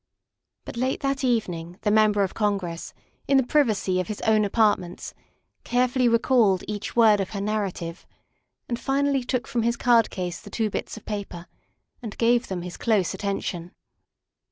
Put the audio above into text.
But late that evening the Member of Congress in the privacy of his own apartments carefully recalled each word of her narrative, and finally took from his card case the two bits of paper and gave them his close attention.